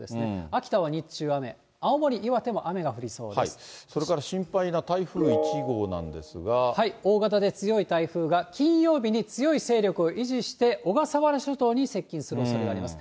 秋田は日中は雨、それから心配な台風１号なん大型で強い台風が金曜日に強い勢力を維持して、小笠原諸島に接近するおそれがあります。